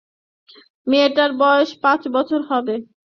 মেয়েটার বয়স পাঁচ বছর হবে।